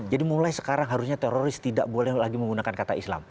jadi mulai sekarang harusnya teroris tidak boleh lagi menggunakan kata islam